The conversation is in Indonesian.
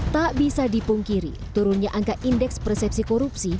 tak bisa dipungkiri turunnya angka indeks persepsi korupsi